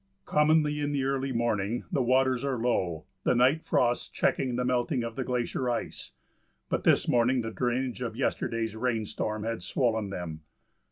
Commonly in the early morning the waters are low, the night frosts checking the melting of the glacier ice; but this morning the drainage of yesterday's rain storm had swollen them.